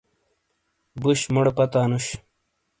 بُش مُوڑے پتا نُش۔